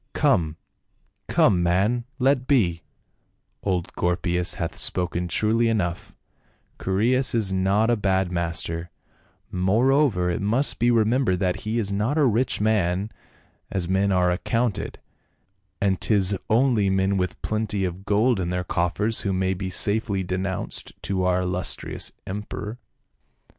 " Come, come, man, let be ; old Gorpius hath spoken truly enough, Chaereas is not a bad master, moreover it must be remembered that he is not a rich man as men are accounted ; and 'tis only men with plenty of gold in their coffers who may be safely denounced to our illustrious emperor."